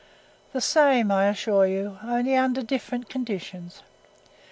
The same, I assure you, only under different conditions.